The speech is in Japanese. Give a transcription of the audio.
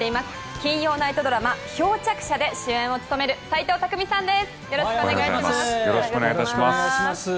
金曜ナイトドラマ「漂着者」で主演を務める斎藤工さんです。